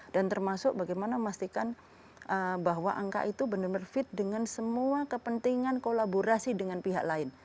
dan termasuk bagaimana memastikan bahwa angka itu benar benar fit dengan semua kepentingan kolaborasi dengan pihak lain